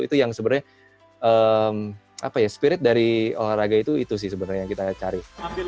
itu yang sebenarnya spirit dari olahraga itu itu sih sebenarnya yang kita cari